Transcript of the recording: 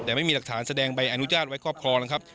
แต่ไม่มีหลักฐานแสดงใบอนุญาตไว้ครอบครองนะครับ